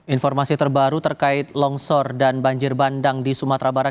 informasi terbaru terkait longsor dan banjir bandang di sumatera barat